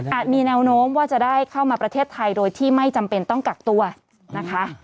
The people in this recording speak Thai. มีแนวโน้มว่าจะได้เข้ามาประเทศไทยโดยที่ไม่จำเป็นต้องกักตัวนะคะ